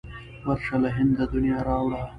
ورشه له هنده د نیا را وړه.